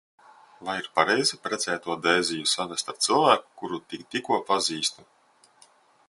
Vai ir pareizi precēto Dēziju savest ar cilvēku, kuru tik tikko pazīstu?